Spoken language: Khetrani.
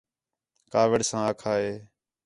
کاوِڑ ساں آکھا ہے